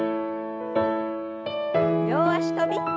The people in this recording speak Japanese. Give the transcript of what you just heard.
両脚跳び。